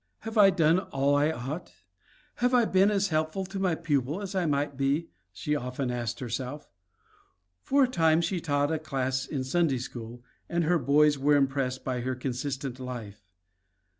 "Have I done all I ought? Have I been as helpful to my pupils as I might be?" she often asked herself. For a time she taught a class in Sunday school, and her boys were impressed by her consistent life.